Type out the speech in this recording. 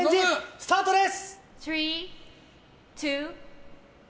スタートです！